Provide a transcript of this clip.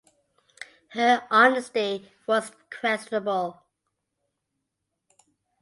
Her honesty was questionable.